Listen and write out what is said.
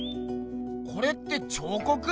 これって彫刻？